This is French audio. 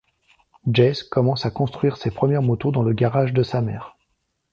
Jesse commence à construire ses premières motos dans le garage de sa mère.